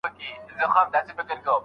د شاګرد کار د استاد تر کار ډېر دی.